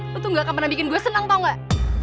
aku tuh gak akan pernah bikin gue senang tau gak